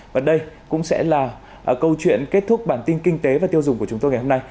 và đây cũng sẽ là câu chuyện kết thúc bản tin kinh tế và tiêu dùng của chúng tôi ngày hôm nay